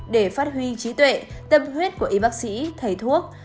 để phát huy trí tuệ tâm huyết của y bác sĩ thầy thuốc